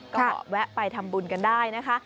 ก็แวะไปทำบุญกันได้นะคะ